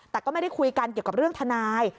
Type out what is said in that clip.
แต่ก็ไม่ได้คุยกันเกี่ยวกับเรื่องทนาย